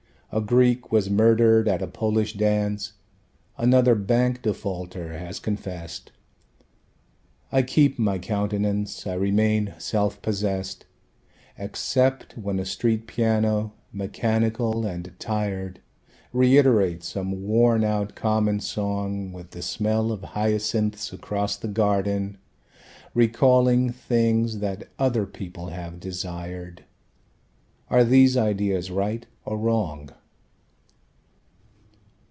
A Greek was murdered at a Polish dance, Another bank defaulter has confessed. I keep my countenance, I remain self possessed Except when a street piano, mechanical and tired Reiterates some worn out common song With the smell of hyacinths across the garden Recalling things that other people have desired. Are these ideas right or wrong?